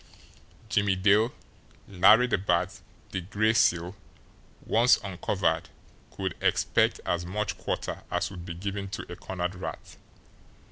Jimmie Dale, Larry the Bat, the Gray Seal, once uncovered, could expect as much quarter as would be given to a cornered rat.